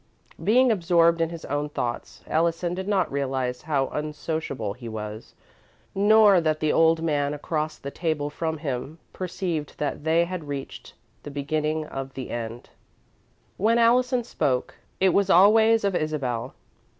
Being absorbed in his own thoughts, Allison did not realise how unsociable he was, nor that the old man across the table from him perceived that they had reached the beginning of the end. When Allison spoke, it was always of Isabel.